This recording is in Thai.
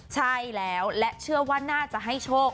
ใช่แล้วและเชื่อว่าน่าจะให้โชค